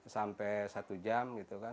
sampai satu jam gitu kan